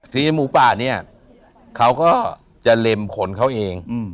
หมูป่าเนี่ยเขาก็จะเล็มขนเขาเอง